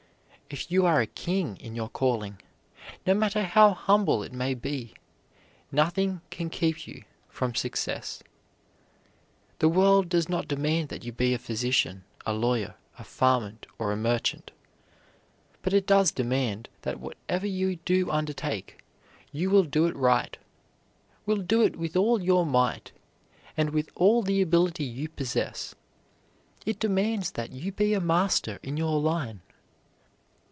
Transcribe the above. If you are a king in your calling, no matter how humble it may be, nothing can keep you from success. The world does not demand that you be a physician, a lawyer, a farmer, or a merchant; but it does demand that whatever you do undertake, you will do it right, will do it with all your might and with all the ability you possess. It demands that you be a master in your line.